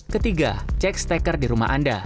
ketiga cek steker di rumah anda